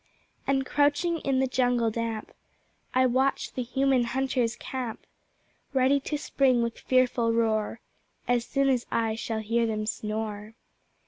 And, crouching in the jungle damp, I watch the Human Hunter's camp, Ready to spring with fearful roar As soon as I shall hear them snore.